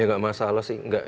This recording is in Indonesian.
ya enggak masalah sih